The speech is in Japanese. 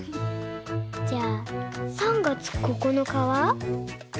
じゃあ３月９日は？